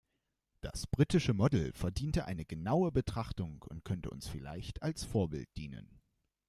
Das britische Modell verdiente eine genaue Betrachtung und könnte uns vielleicht als Vorbild dienen.